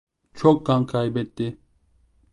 Çok kan kaybetti.